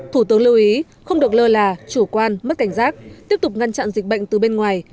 thủ tướng lưu ý không được lơ là chủ quan mất cảnh giác tiếp tục ngăn chặn dịch bệnh từ bên ngoài